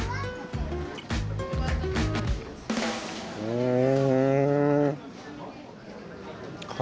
うん！